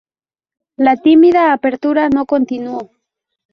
La tímida apertura no continuó.